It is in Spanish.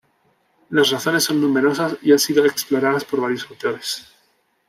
Las razones son numerosas y han sido exploradas por varios autores.